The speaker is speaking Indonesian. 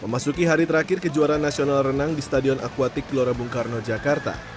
memasuki hari terakhir kejuaraan nasional renang di stadion akuatik gelora bung karno jakarta